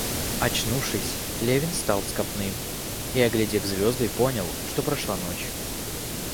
Очнувшись, Левин встал с копны и, оглядев звезды, понял, что прошла ночь.